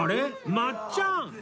まっちゃん！